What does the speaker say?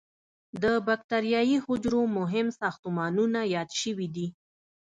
د بکټریايي حجرو مهم ساختمانونه یاد شوي دي.